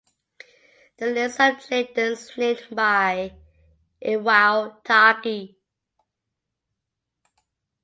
The list of chitons named by Iwao Taki.